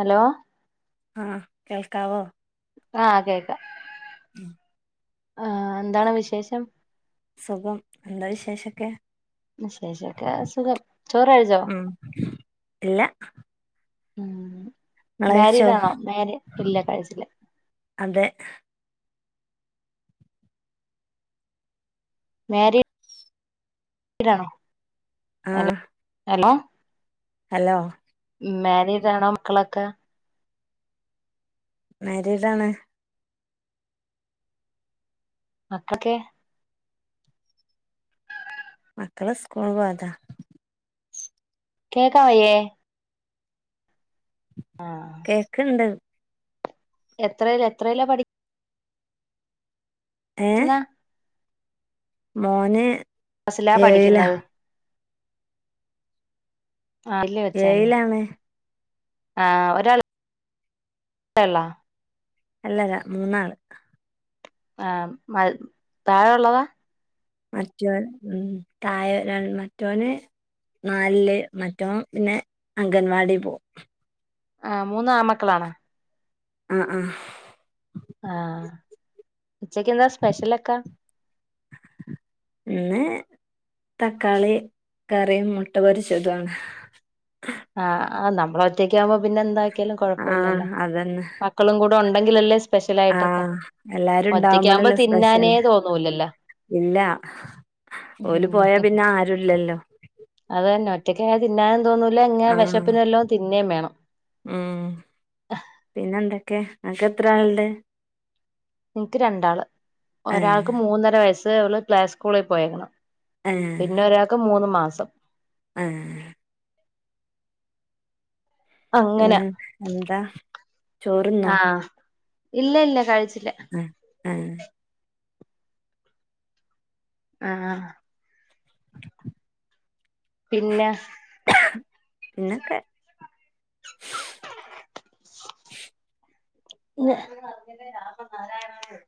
Hello ആഹ് കേൾക്കാവൊ? ആഹ് കേക്കാ. [inaudible] ആഹ് ന്താണ് വിശേഷം? സുഖം. എന്താ വിശേഷൊക്കെ? വിശേഷൊക്കെ സുഖം. ചൊറഴിച്ചൊ? ഉം ഇല്ല ഉം. നിങ്ങളഴിച്ചോ മാരീഡ് ആണൊ? മാരീ ഇല്ല കഴിച്ചില്ല. അതെ മാരീഡാണൊ? Hello, hello? ഹലൊ മാരീഡാ ണൊ? മക്കളൊക്കെ. മാരീഡാണ്. മക്കൾക്കെ മക്കള് സ്കൂൾ പോയതാ. കേക്കാം വയ്യേ? കേക്ക്ണ്ട്. എത്രേല് എത്രേലാ പഠി ക്ക് ഏഹ് ന്നാ മോന് സിലാ ഏഴിലാ പഠിക്കുന്നത്? ആയില്ല് വെച്ചാല്ലെ. ഏഴിലാണ് ആഹ് ഓരാള് [unintelligible] ള്ളാ. അല്ലല്ലാ. മൂന്നാള്. ആഹ് മഴ് താഴെള്ളതാ. മറ്റൊൻ ഉം. താഴെ രൺ മറ്റോന് നാൽല്ല്. മറ്റോൻ പിന്നെ അംഗൻവാടി പോവും. ആഹ് മൂന്നും ആമക്കളാണൊ? ആഹ് ആഹ് ആഹ്. ഉച്ചക്ക് എന്താ സ്പെഷ്യലൊക്കെ? ഇന്ന് തക്കാളി കറിയും, മുട്ട പൊരിച്ചതു ആണ്. ആഹ്. ആ നമ്മള് ഒറ്റയ്ക്ക് ആവു മ്പം പിന്നെ എന്താക്കിയാലും കൊഴപ്പല്ലല്ലൊ. ആഹ് അതന്നെ മ.... ക്കളും കൂടെ ഒണ്ടെങ്കിലല്ലെ സ്പെഷ്യലായിട്ടൊക്കെ. ആഹ് എല്ലാരും ഒറ്റയ്ക്കാ വുമ്പ ഉണ്ടാവുമ്പോഴല്ലേ സ്പെഷ്യൽ തിന്നാനേ തോന്നൂലല്ലാ. ഇല്ല. ഓല് പോയാ പിന്നെ ആരുല്ലല്ലൊ. അതെന്നെ. ഒറ്റയ്ക്കായ തിന്നാനും തോന്നൂല ഇങ്ങെ ആഹ് വെശപ്പ്ന് വെലോം തിന്നേയും വേണം. ഉം പിന്നെ എന്തൊക്കെ നിനക്ക് എത്ര ആൾ ഉണ്ട്. എനിക്ക് രണ്ടാള് ഏഹ് ഒരാൾക്ക് മൂന്നര വയസ്സ് അവള് പ്ലേ സ്കൂളിൽ പോയേക്ക്ണ്. ഏഹ് പിന്നെ ഒരാൾക്ക് മൂന്ന് മാസം. ഏഹ് അങ്ങനെ പിന്നെ എന്താ ചോറ്ന്നോ ആഹ് ഇല്ല ഇല്ല കഴിച്ചില്ല. [unintelligible] ആഹ് പിന്നെ പിന്നെക്ക [unintelligible] ഞ്ഞാര [unintelligible]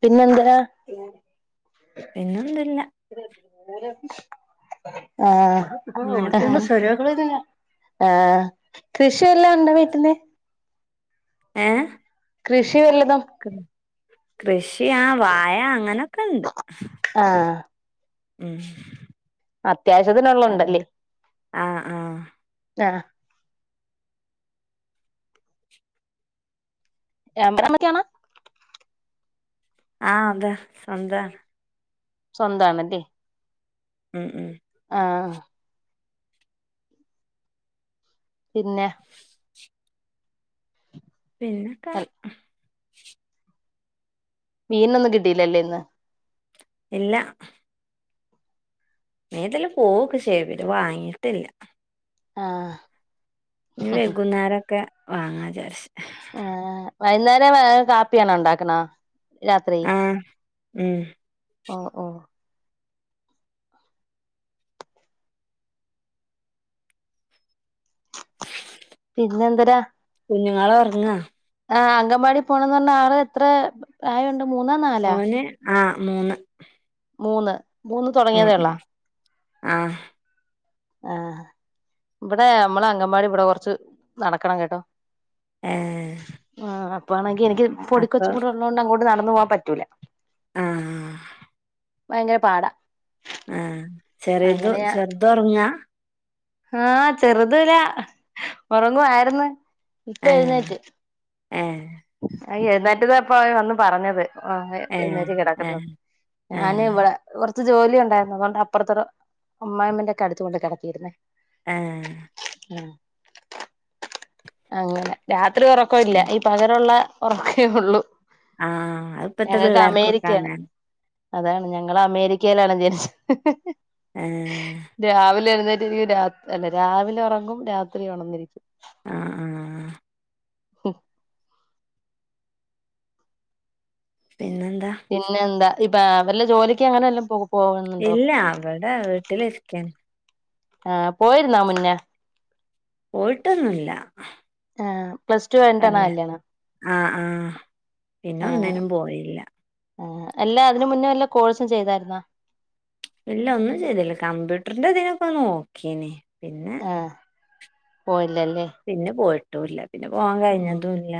പിന്നെന്താ പിന്നന്തുല്ല. ആഹ് അങ്ങനെ പോണ് [unintelligible] ആ കൃഷിയെല്ലാം ഉണ്ടോ വീട്ട്ല് ഏഹ് കൃഷി വല്ലതും കൃഷിയ ആ വായ അങ്ങനെയൊക്കെണ്ട്. ആഹ് ഉം അത്യാവശ്യത്തിന്ള്ള ആഹ് ഉണ്ടല്ലേ ആഹ് ആഹ്. [unintelligible] ആഹ് അതാ സ്വന്തം. സ്വന്തണല്ലേ ഉം ഉം ആഹ് പിന്നെ പിന്നൊക്കെ മീനൊന്നും കിട്ടിയില്ലല്ലേ ഇന്ന്. ഇല്ല മീൻ ഇതിലേ പോകും ഒക്കെ ചെയ്യും പക്ഷേ വാങ്ങിയിട്ടില്ല. ആഹ് ഇഞ്ഞ് വെകുന്നേര ഒക്കെ വാങ്ങാ വിചാരിച്ച്. ആ വൈകുന്നേരം വേറെ കാപ്പിയാണോ ഉണ്ടാക്ക്‌ണേ. രാത്രി ആഹ് ഉം ഓ ഓ പിന്നെന്തരാ കുഞ്ഞുങ്ങള് ഒറങ്ങാ ആ അങ്കൻവാടി പോണന്ന് പറഞ്ഞാ ആൾ എത്ര പ്രായമുണ്ട് മൂന്നോ നാലാ. ആ മൂന്ന്. മൂന്ന്. മൂന്ന് ഉം തുടങ്ങിയതേ ഉള്ളാ ഉം ആഹ് ആഹ് ഇവിടെ നമ്മളെ അംഗൻവാടി ഇവിടെ കുറച്ച് നടക്കണം കേട്ടോ. ഏഹ് ആ അപ്പാണെങ്കിൽ എനിക്ക് അപ്പൊ പൊടിക്കൊച്ച് കൂടെ ഉള്ളതത് കൊണ്ട് അങ്ങോട്ട് നടന്നു പോകവാൻ പറ്റൂല. ആഹ് ഭയങ്കര പാടാ ആഹ് ചെറേത് അങ്ങനെയാ ചെറ്ത് ഒറങ്ങാ ആഹ് ചെറ്ത് താ ഒറങ്ങുവായിരുന്ന് ഏഹ് ഏഹ് അത് എഴുന്നേറ്റതപ്പാ അവൻ വന്ന് പറഞ്ഞത് ആഹ് അതെ ഏഹ് എഴുന്നേറ്റ് കെടക്കുന്നു ഏഹ് ഞാന് ഏഹ് ഇവളെ കൊറച്ച് ജോലി ഉണ്ടായിരുന്നു അതൊണ്ട് അപ്പർത്തവ്ടെ അമ്മായിമ്മന്റൊക്കെ അട്ത്ത് കൊണ്ടാ കെടത്തിരുന്നേ ഏഹ് [inaudible] ആഹ് അങ്ങനെ രാത്രി ഒറക്കവില്ല ഉം ഇ പ്പോള്ള ഒറക്കേ ഒള്ളു ആഹ് അത് ഇപ്പത്തെ ഞങ്ങക്ക് പിള്ളേർക്കൊക്കെ അമേരിക്കയാണ് അങ്ങനെ അതാണ് ഞങ്ങള് അമേരിക്കേലാണ് വിചാരിച്ച് ഏഹ് രാവിലെ എഴുന്നേറ്റ് രിക്കും രാ അല്ലാ രാവിലെ ഒറങ്ങും രാത്രി ഒണന്നിരിക്കും ആഹ് ആഹ് ഓഹ് [inaudible] പിന്നെന്താ പിന്നെന്താ ഇപ്പ അവരെല്ലാം ജോലിക്ക് അങ്ങനെല്ലം പോകും ഇല്ല ഇവടെ വീട്ട്ലിരിക്ക ആഹ് പോയിരുന്നോ മുന്നെ പോയിട്ടൊന്നുല്ല. ആഹ് അല്ല ആഹ് ആഹ് പിന്നെ ഒന്നിനും പോയില്ല ആഹ് അല്ലാ അതിന് മുന്നേ വല്ല കോഴ്സും ചെയ്തായിരുന്നാ ഇല്ല ഒന്നും ചെയ്തില്ല കമ്പ്യൂട്ടറിന്റെ ഇതിനൊക്കെ നോക്കീനി പിന്നെ ആ പോയില്ലല്ലേ പിന്നെ പോയിട്ടുല്ല, പിന്നെ പോവാൻ ഉം കഴ്ഞ്ഞതുല്ല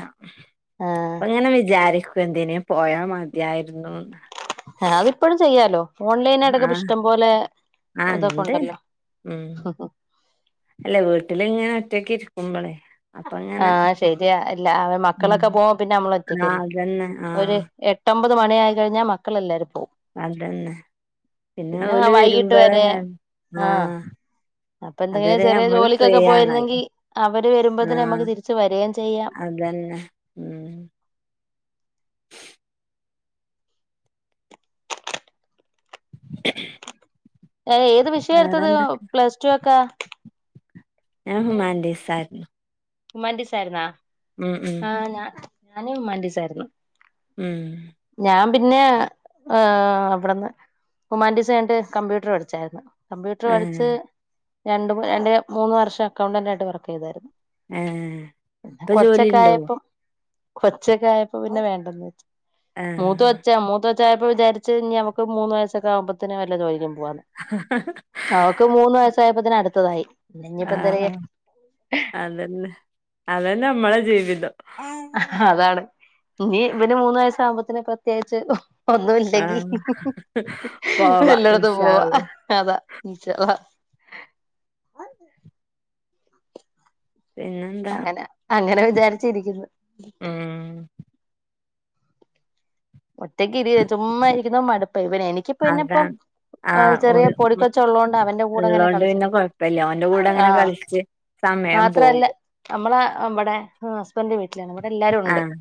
ആഹ് ഇപ്പങ്ങനെ വിചാരിക്കും എന്തിനേം പോയാ മതിയായിരുന്നുന്ന് ആഹ് അത് ഇപ്പഴും ചെയ്യാലോ ഓൺലൈനായിട്ടൊക്കെ ഇപ്പ ആഹ് ഇഷ്ടം പോലെ ആഹ് ഇതൊക്കെ ഇണ്ട്. ഉണ്ടല്ലോ ഉം. അല്ല വീട്ട്ലിങ്ങനെ ഒറ്റക്ക് ഇരിക്കുമ്പളെ ആഹ് ശെരിയാ അല്ല പിന്നെ ഉം. മക്കളൊക്കെ പോവാ പിന്നെ ആഹ് നമ്മളോറ്റക്കല്ലെ അതന്നെ. അപ്പൊര് ആഹ് എട്ടൊമ്പത് മണിയായി കഴിഞ്ഞാ മക്കളെല്ലാരും പോവും അതന്നെ പിന്നെ ഓല് വൈകിട്ട് വരുമ്പളേ വരെ ആഹ് അപ്പം എന്തിനെ അതുവരെ ചെറിയ നമ്മള് ജോലിക്കൊക്കെ ഫ്രീയാണല്ലോ. പോയിര്ന്നെങ്കി അവര് വരുമ്പത്തിന് ആഹ് നമുക്ക് തിരിച്ച് വരിയേം ചെയ്യാം അതന്നെ ഹ്മ്മ് [unintelligible] ഏഹ് ഏത് വിഷയ എടുത്തത് വേറെന്തൊക്കെ? പ്ലസ്ടു ഒക്കാ ഞാൻ ഹ്യുമാൻ്റിസായിരുന്നു. ഹ്യൂമറ്റീസായിര്ന്നാ ഹ്മ്മ് ഹ്മ്മ് ആഹ് ഞ ഞാനും ഹ്യുമാൻ്റീസായിരുന്നു ഹ്മ്മ് ഞാൻ പിന്നെ ഏഹ് അവ്ട്ന്ന് ഹുമാന്റിസ് കഴിഞ്ഞിട്ട് കമ്പ്യൂട്ടറ് പഠിച്ചായിരുന്നു കമ്പ്യൂട്ടറ് പഠിച്ച് ആഹ്. രണ്ട് രണ്ടര മൂന്ന് വർഷം അക്കൗണ്ടന്റായിട്ട് വർക്ക് ചെയ്തായിരുന്നു ഏഹ് ഇപ്പ ജോലി ഇണ്ടോ കൊച്ചക്ക ആയപ്പ പിന്നെ വേണ്ടന്ന് വെച്ചു മൂത്ത കൊ ആഹ് ച്ചാ മൂത്ത കൊച്ച് ആയപ്പോ വിചാരിച്ച് ഇനി അവൾക്ക് മൂന്ന് വയസൊക്കെ ആകുമ്പത്തേനും വല്ല ജോലിക്കും പോവാന്ന് അവക്ക് മൂന്ന് വയസായപ്പോത്തിന് അടുത്തതായിഇനിപ്പോ എന്തെരെയ്യാൻ ആഹ് അതന്നെ അതന്നെ നമ്മളെ ജീവിതം. അതാണ് ഇഞ്ഞ് ഇവന് മൂന്ന് വയസ് ആകുമ്പോത്തനെ ക്കെ പ്രത്യേകിച്ച് ഒന്നുംല്ലെങ്കി ആഹ് പോവാ വല്ലയിടത്തും ഇൻഷാ പോവാ അള്ളാ അതാ ഇൻഷാ അള്ളാ പിന്നെന്താ അങ്ങനെ അങ്ങനെ വിചാരിച്ചിരിക്കുന്നു. മ് ഒറ്റക്കിരി ചുമ്മാ ഇരിന്നു മടുപ്പ ഇവനെ എനിക്ക് പിന്നെ പ്പം അതാണ് ആഹ് ഓന് കൂടെ അങ്ങനെ ള്ളോണ്ട് പിന്നെ കളിച്ചടിരിക്കും കൊഴപ്പല്ല ഓന്റെ കൂടെ അങ്ങനെ ആഹ് കളിച്ച് സമയം പോകും നമ്മള് ഇമ്പടെ ഹസ് ബൻഡ് വീട്ടിലാണ് ഇവിടെ എല്ലാരും ഉണ്ട് ആഹ്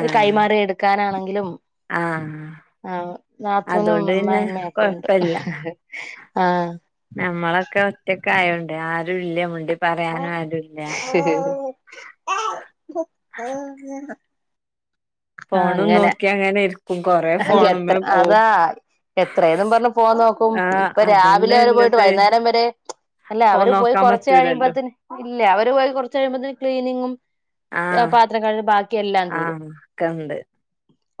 ഒരു കൈമാറി എടുക്കാനാണെങ്കിലും ആഹ് ആഹ് നാത്തനും മ്മ അതോണ്ട് പിന്നെ അമ്മായിമ്മ ഒക്കെ ഉണ്ട് ആഹ് നമ്മളൊക്കെ ഒറ്റക്ക് ആയോണ്ട് ആരും ഇല്ല മിണ്ടി പറയാനും ആഹ് ആരൂല്ല ഫോണും അങ്ങനെ നോക്കി അങ്ങനെ ഇരി എത്ര അതാ എത്രേ ന്നും പറഞ്ഞഞ് ഫോൺ നോക്കും ആഹ് ഇപ്പൊ രാവിലെ അതന്നെ വരെ പോയിട്ട് ഇല്ലത് വൈന്നേരം വരെ അല്ല ഫോൺ അവര് പോയി നോക്കാൻ കൊറച്ച് പറ്റൂലല്ലോ കഴിയുമ്പത്തിന് ഇല്ല അവര് പോയി കുറച്ച് കഴിയുമ്പോത്തന് ക്ലീനിങ്ങും താ ആഹ് പാത്രം കഴു ബാക്കി എല്ലാം തീരും ആഹ് ഒക്കെണ്ട്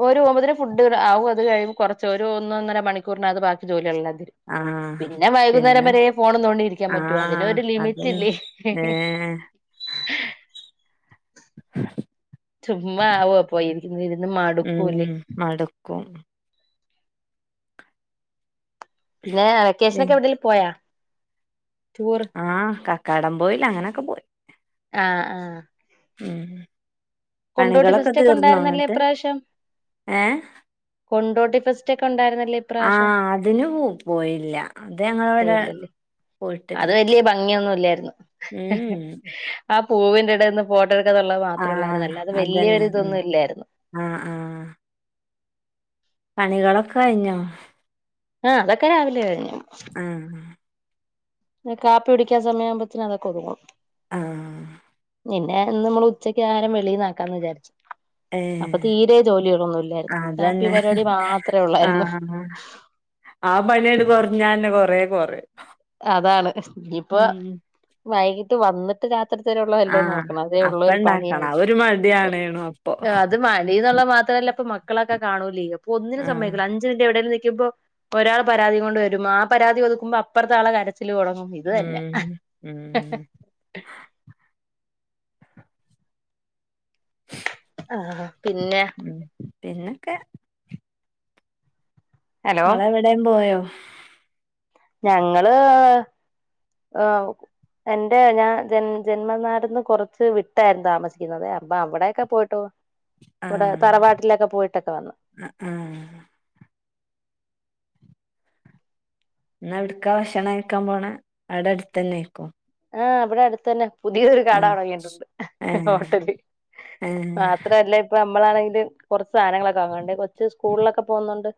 ഒര് പോവ്മ്പോത്തിന് ഫുഡ് ങ്ങട്ട് ആവും അത് കഴിയുമ്പം കുറച്ച് ഒരു ഒന്ന് ഒന്നര മണിക്കൂറിനകത്ത് ബാക്കി ജോലിയല്ലാം തിരും. ആഹ് പിന്നെ വൈകുന്നേരം പിന്നെ വരെ ഫോണും തോണ്ടി ഇരിക്കാൻ പറ്റുവേ അതിന് ആഹ് ഒര് ലിമിറ്റ് അതന്നെ ഇല്ലേ ഹ. ഏഹ് ഉ. ചുമ്മാ ആവോ അപ്പോ ഇരുന്ന് ഇരുന്ന് മടുക്കൂല്ലേ ഉം മടുക്കും പിന്നെ വെക്കേഷനൊക്കെ എവിടേലും പോയോ ആഹ് കക്കാടം പോയില് അങ്ങനൊക്കെ പോയി ആഹ് ആഹ് ഉം. കൊണ്ടോട്ടി പണികളൊക്കെ ഫസ്റ്റ് ഒക്കെ തീർന്നോ ഉണ്ടായിരുന്നല്ലേ എന്നിട്ട് ഇപ്രാവിശ്യം ഏഹ് കൊണ്ടോട്ടി ഫെസ്റ്റ് ഒക്കെ ഉണ്ടായിരുന്നല്ലേ ഇപ്രാവശ്യം ആഹ് അതിന് പോ പോയില്ല അത് ഞങ്ങളവടെ പോയില്ലല്ലേ അത് വലിയ ഭംഗിയൊന്നും ഇല്ലായിരുന്നു. ഉം ആ പൂവിന്റെ എടേ നിന്ന് ഫോട്ട ടുക്കാന്ന്ള്ള മാത്രള്ളാരുന്നു ആഹ് അല്ലാ അതന്നെ ഉം ആഹ് ആഹ് പണികളൊക്കെ കഴിഞ്ഞോ ആഹ് അതൊക്കെ രാവിലെ കഴിഞ്ഞു ഉം. ഞാ കാപ്പി കുടിക്കാൻ സമയ ആവുമ്പോത്തിനും അതൊക്കെ ഒതുങ്ങും ആഹ് പിന്നെ ഇന്ന് നമ്മള് ഉച്ചക്ക് ആഹാരം വെളീന്നാക്കാമെന്ന് വിചാരിച്ചു അപ്പം ഏഹ് തീരെ ജോലികളൊന്നും ഇല്ലായിരുന്നു കാപ്പി അതന്നെ പരിപാടി മാത്ര ഒള്ളായിരുന്നു. ആഹ് ആ പണിയണ്ട് കുറഞ്ഞാന്നെ കൊറെ കൊറയും അതാണ് ഇനിയിപ്പോ ഉം വൈകിട്ട് വന്നിട്ട് ന്നിട്ട് രാത്രിത്തിനുള്ളതല്ലോ ആഹ് നോക്കണം അതേ ഉള്ളു അപ്പ ഒരു ഇണ്ടാക്കണം പണിയായി അത് ഒരു മടിയാണേണു അപ്പൊ അത് മണി എന്നുള്ള മാത്രല്ല അപ്പൊ മക്കളൊക്കെ കാണൂലെ അപ്പൊ ഒന്നിനും ആഹ് സമ്മയ്ക്കൂലാ അഞ്ച്. മിനുട്ട് എവിടെലും നൽക്കുമ്പോ ഒരാൾ പരാതി കൊണ്ട് വരും ആ പരാതി ഒതുക്കുമ്പോ അപ്പറത്തെ ആള് കരച്ചില് തുടങ്ങും. ഇത് തന്നെ. ഉം ഉം ഉം ആഹ് പിന്നെ ഉം പിന്നൊക്കെ ഹലോ ങ്ങള് എവിടെയും പോയോ ഞങ്ങള് ഏഹ് എന്റെ ഞാൻ ജൻ ജന്മനാട്ന്ന് കൊറച്ച് വിട്ടായിരുന്നു താമസിക്കുന്നത് അപ്പൊ അവിടൊക്കെ പോയിട്ട് വന്നു. ഇവിടെ ആഹ് തറവാട്ടിലൊക്കെ പോയിട്ടൊക്കെ വന്നു. അ ആഹ് ന്ന് എവിട്ക്ക ഭക്ഷണം കഴിക്കാൻ പോണെ അവിടെ അടുത്ത് തന്നെ ആയിരിക്കും. ആഹ് ഇവിടെ അടുത്തെന്നെ പുതിയൊരു കട ആഹ് തൊടങ്ങിയിട്ടുണ്ട് ഏഹ് ഹോട്ടല് ഏഹ് മാത്രല്ല അപ്പ നമ്മളാണെങ്കിലും കൊറച്ച് സാധനങ്ങളൊക്കെ വാങ്ങണ്ട് കൊച്ച് സ്കൂളിലൊക്കെ പോകുന്നോണ്ട്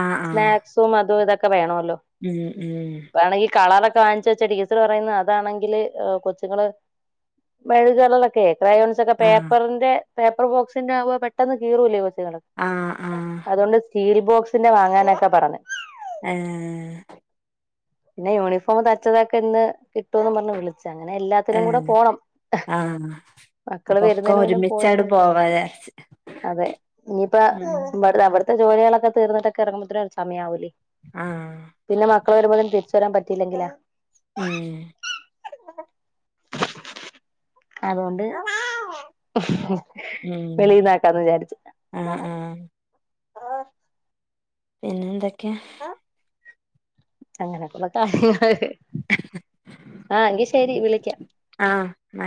ആഹ് സ്നാക് സും അതും ഇതൊക്കെ വേണോല്ലോ മ്മ് ഉം വേണെങ്കി കളറൊക്ക വാങ്ങിച്ചച്ച് ഡീസൽ പറയുന്ന താണെങ്കില് കൊച്ചുങ്ങള് മെഴുക് കളർലൊക്കെ ക്രയോൺസൊക്കെ ആഹ് പേപ്പറിന്റെ പേപ്പർ ബോക്സിന്റെ ആവുമ്പോ പെട്ടെന്ന് കീറൂല്ലേ കൊച്ചുങ്ങള് ആഹ് ആഹ് അതോണ്ട് സ്റ്റീൽ ബോക്സിന്റെ വാങ്ങാനൊക്കെ പറഞ്ഞ് ഏഹ് പിന്നെ യൂണിഫോം തയ്ച്ചതൊക്കെ ഇന്ന് കിട്ടുംന്ന് പറഞ്ഞ് വിളിച്ചു അങ്ങനെ എല്ലാ ത്തിനും കൂടെ ഏഹ് പോണം ആഹ് മക്കള് അപ്പൊക്കെ വരുന്നതിന് മുന്നേ ഒരുമിച്ചാട് പോയിട്ട് പോവാ വിചാരിച്ച് അതെ ഇനിയിപ്പ ഉം ഇവിട് അവിടുത്തെ ജോലികളൊക്കെ തീർന്നിട്ടൊക്കെ ഇറങ്ങുമ്പോത്തിന് ഒരു സമയാവൂലേ ആഹ് പിന്നെ മക്കള് വരുമ്പോത്തിന് തിരിച്ചുവരാൻ പറ്റിയില്ലങ്കിലോ മ്മ് അതോണ്ട് മ്മ് ആഹ് ആഹ് ആഹ് പിന്നെന്തൊക്കെ അങ്ങനൊക്കൊള്ളൂ കാര്യങ്ങള് ആഹ് എങ്കി ശെരി വിളിക്കാം ആഹ്